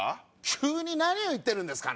急に何を言ってるんですか？